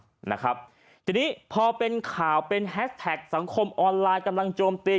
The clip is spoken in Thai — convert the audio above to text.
นะครับทีนี้พอเป็นข่าวเป็นแฮสแท็กสังคมออนไลน์กำลังโจมตี